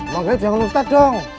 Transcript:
makanya jangan ustaz dong